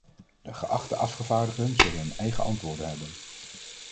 De geachte afgevaardigden zullen hun eigen antwoorden hebben.